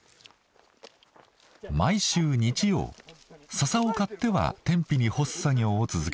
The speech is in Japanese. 毎週日曜笹を刈っては天日に干す作業を続けてきました。